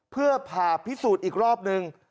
เพื่อผ่าพิสูจน์อีกรอบนึง